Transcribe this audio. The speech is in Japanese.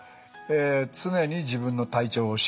「常に自分の体調を知る」。